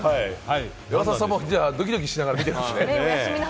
山里さんもドキドキしながら見てるんでしょうね。